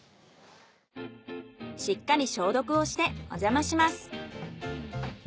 しっかり消毒をしておじゃまします。